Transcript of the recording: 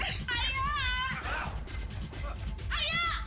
ayah ini kakak ayah